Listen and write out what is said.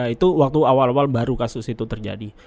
itu waktu awal awal baru kasus itu terjadi